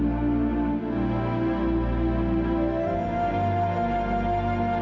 tapi aku tahu dia itu seperti orang lain